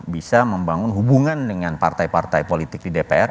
bisa membangun hubungan dengan partai partai politik di dpr